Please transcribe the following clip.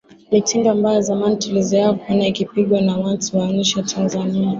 Mitindo ambayo zamani tulizoea kuona ikipigwa na watu wa nje ya Tanzania